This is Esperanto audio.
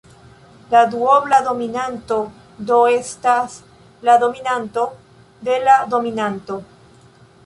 La duobla dominanto do estas la dominanto de la dominanto.